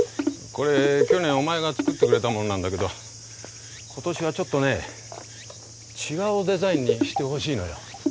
これ去年お前が作ってくれたものなんだけど今年はちょっとね違うデザインにしてほしいのよ。